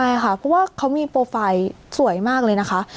ใช่ค่ะเพราะว่าเขามีโปรไฟล์สวยมากเลยนะคะ